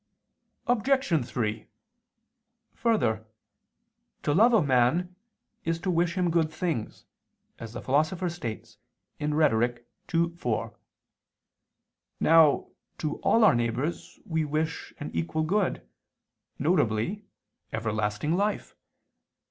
Obj. 3: Further, to love a man is to wish him good things, as the Philosopher states (Rhet. ii, 4). Now to all our neighbors we wish an equal good, viz. everlasting life.